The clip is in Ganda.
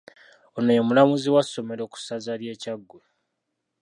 Ono ye mulambuzi wa masomero ku Ssaza ly’e Kyaggwe.